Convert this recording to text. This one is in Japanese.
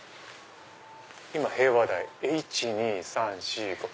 今平和台１・２・３・４・５。